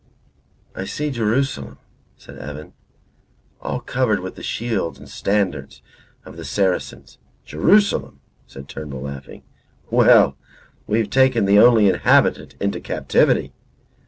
"I see Jerusalem," said Evan, "all covered with the shields and standards of the Saracens." "Jerusalem!" said Turnbull, laughing. "Well, we've taken the only inhabitant into captivity."